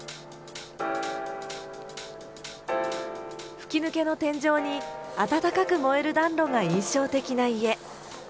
吹き抜けの天井に、暖かく燃える暖炉が印象的な家。